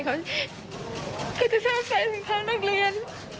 เขาจะชอบใส่ถุงเท้านักเรียน